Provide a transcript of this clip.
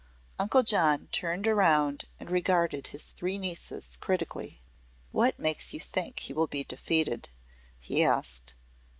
Uncle John turned around and regarded his three nieces critically. "What makes you think he will be defeated?" he asked.